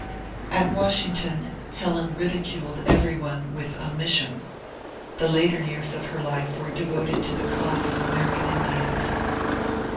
At Washington Helen ridionled every one with ^' a mission ;" the later years of her life were devoted to the cause of American Indians.